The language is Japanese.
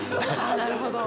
あなるほど。